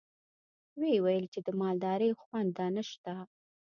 ويې ويل چې د مالدارۍ خونده نشته.